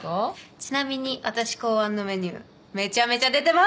ちなみに私考案のメニューめちゃめちゃ出てます！